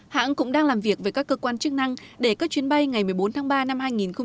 hãng cũng đang làm việc với các cơ quan chức năng để các chuyến bay ngày một mươi bốn tháng ba năm hai nghìn hai mươi